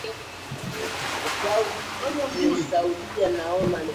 kupitia kampuni yake ya joe cole